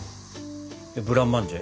ブランマンジェ？